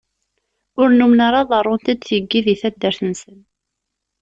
Ur nummen ara ḍerrunt-d tiki deg taddart-nsen.